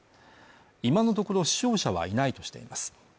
今のところ死傷者はいないとしています